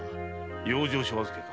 養生所預けか。